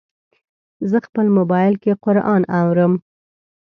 زه خپل موبایل کې قرآن اورم.